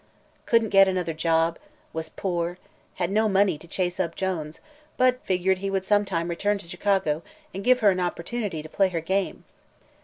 Couldn't get another job; was poor; had no money to chase up Jones, but figured he would some time return to Chicago and give her an opportunity play her game.